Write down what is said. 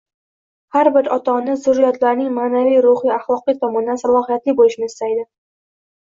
Har bir ota-ona zurriyotlarining ma’naviy-ruhiy-axloqiy tomondan salohiyatli bo'lishini istaydi.